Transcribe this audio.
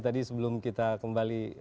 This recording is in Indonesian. tadi sebelum kita kembali